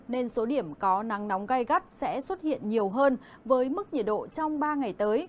nên số điểm có nắng nóng gai gắt sẽ xuất hiện nhiều hơn với mức nhiệt độ trong ba ngày tới